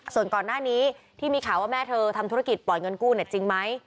ส่วนก่อนหน้านี้ที่มีข่าวว่าแม่เธอทำธุรกิจปล่อยเงินกู้เนี่ยจริงไหม